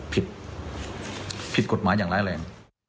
ผิดผิดกฎหมายอย่างร้ายแรง